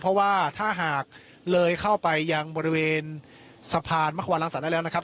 เพราะว่าถ้าหากเลยเข้าไปยังบริเวณสะพานมะควาลังสรรค์ได้แล้วนะครับ